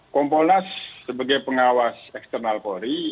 kompolnas sebagai pengawas eksternal polri